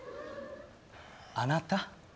あなた。